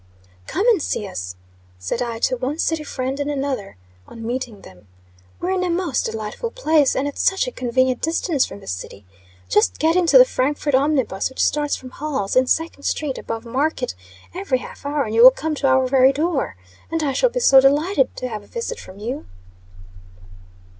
"Come and see us," said I, to one city friend and another, on meeting them. "We're in a most delightful place, and at such a convenient distance from the city. Just get into the Frankford omnibus, which starts from Hall's, in Second street above Market, every half hour, and you will come to our very door. And I shall be so delighted to have a visit from you."